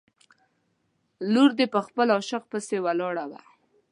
لور دې په خپل عاشق پسې ولاړه.